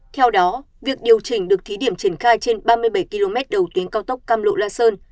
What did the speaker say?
theo đó việc điều chỉnh được thí điểm triển khai trên ba mươi bảy km đầu tuyến cao tốc cam lộ la sơn